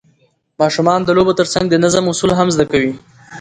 ماشومان د لوبو ترڅنګ د نظم اصول هم زده کوي